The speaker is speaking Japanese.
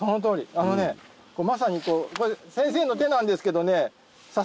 あのねまさに先生の手なんですけどね。